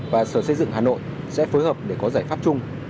và sở xây dựng hà nội sẽ phối hợp để có giải pháp chung